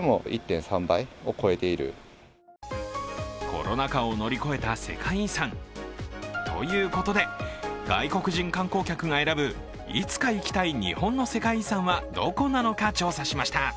コロナ禍を乗り越えた世界遺産。ということで、外国人観光客が選ぶいつか行きたい日本の世界遺産はどこなのか調査しました。